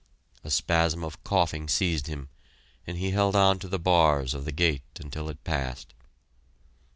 A spasm of coughing seized him, and he held to the bars of the gate until it passed.